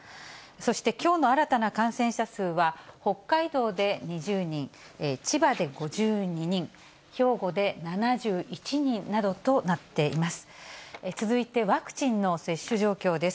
そしてきょうの新たな感染者数は、北海道で２０人、千葉で５２人、兵庫で７１人などとなっています。